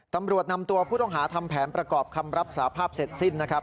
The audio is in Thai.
ตำรวจนำตัวผู้ต้องหาทำแผนประกอบคำรับสาภาพเสร็จสิ้นนะครับ